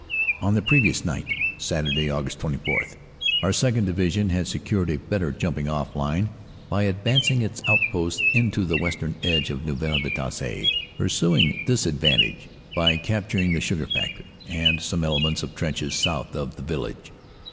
On the previous night, Saturday, Aug. 24, our 2nd. Divi sion had secured a better jumping off line by advancing its outposts into the western edge of Neuville Vitasse, pursuing this advantage by capturing the Sugar Factory and some elements of trenches south of the village.